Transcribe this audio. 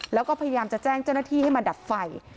แล้วก็พยายามจะแจ้งเจ้าหน้าที่ให้มาดับไฟ